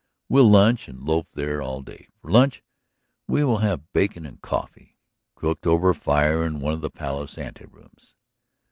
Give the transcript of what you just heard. We'll lunch and loaf there all day. For lunch we will have bacon and coffee, cooked over a fire in one of the Palace anterooms.